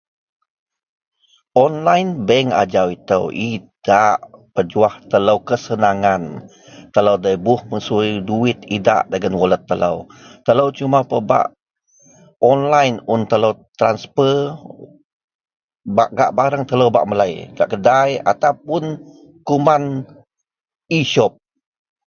Online bank ajau itou idak pejuah telou kesenangan. Telou bei bup masui duwit idak dagen wallet telou. Telou cuma pebak online un telou transfer bak gak bareng telou ngak melei gak kedai ataupun kuman e-shop.